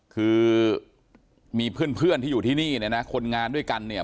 คือมีเพื่อนที่อยู่ที่นี่นะคนงานด้วยกันเนี่ย